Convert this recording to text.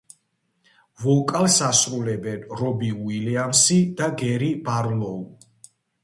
ვოკალს ასრულებენ რობი უილიამსი და გერი ბარლოუ.